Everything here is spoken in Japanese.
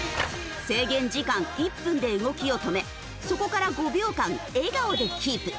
制限時間１分で動きを止めそこから５秒間笑顔でキープ。